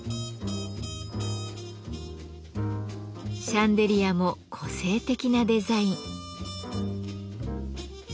シャンデリアも個性的なデザイン。